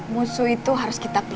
musuh itu harus kita kuat